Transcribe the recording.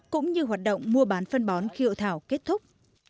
cũng như hoạt động mua bán phân bón khi hội thảo kết thúc